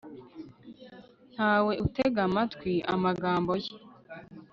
nta we utega amatwi amagambo ye